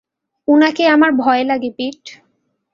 উনাকে আমার ভয় লাগে, পিট!